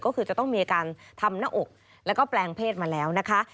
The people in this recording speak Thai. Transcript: ก็คือจะต้องมีอาการทำหน้าอกแล้วก็แปลงเพศมาแล้วนะคะ